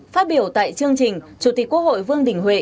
phát biểu tại chương trình chủ tịch quốc hội vương đình huệ